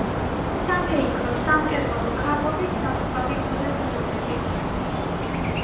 საფეიქრო, სამკერვალო, ქაღალდის, საფქვავი მრეწველობები.